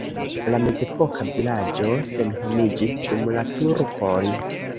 La mezepoka vilaĝo senhomiĝis dum la turkoj.